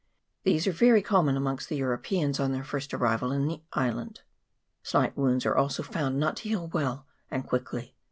These are very common amongst the Europeans on their first arrival in the island : slight wounds are also found not to heal well and quickly.